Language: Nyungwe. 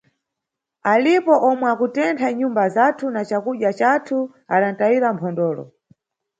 Alipo omwe akutentha nyumba zathu na cakudya cathu, adanʼtayira mphondolo.